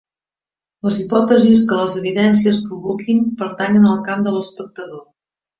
Les hipòtesis que les evidències provoquin pertanyen al camp de l'espectador.